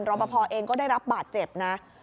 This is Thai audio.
รอปภเองก็ได้รับบาดเจ็บนะ